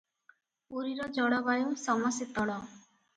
ପୁରୀର ଜଳବାୟୁ ସମଶୀତଳ ।